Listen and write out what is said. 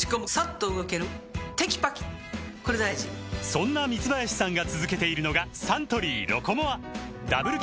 そんな三林さんが続けているのがサントリー「ロコモア」ダブル